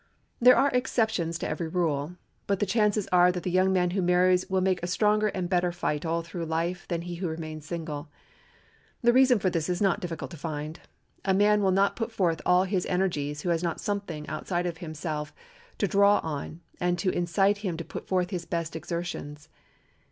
There are exceptions to every rule; but the chances are that the young man who marries will make a stronger and better fight all through life than he who remains single. The reason of this is not difficult to find. A man will not put forth all his energies who has not something outside of self to draw him on and to incite him to put forth his best exertions.